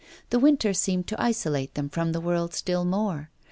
The winter seemed to isolate them from the world still more.